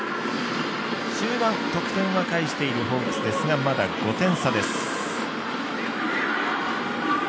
終盤得点は返しているホークスですが、まだ５点差です。